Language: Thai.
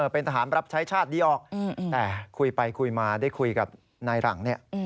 เป็นทหารรับใช้ชาติดีออกแต่คุยไปคุยมาได้คุยกับนายหลังเนี่ย